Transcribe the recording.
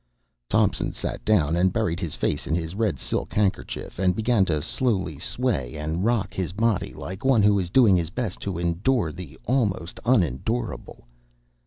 Thompson sat down and buried his face in his red silk handkerchief, and began to slowly sway and rock his body like one who is doing his best to endure the almost unendurable.